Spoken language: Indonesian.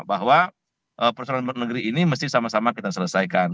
bahwa persoalan luar negeri ini mesti sama sama kita selesaikan